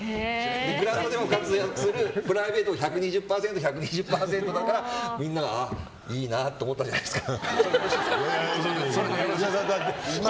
グラウンドでも活躍するプライベート１２０％、１２０％だからみんながいいなと元気ですよ。